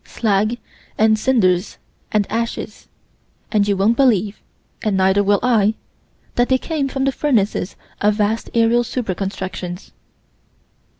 Slag and cinders and ashes, and you won't believe, and neither will I, that they came from the furnaces of vast aerial super constructions.